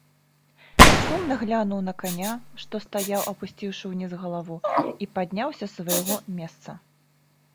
Сумна глянуў на каня, што стаяў, апусціўшы ўніз галаву, і падняўся з свайго месца.